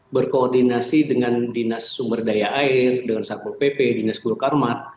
berkoordinasi dengan dinas sumber daya air dengan satpol pp dinas guru karmat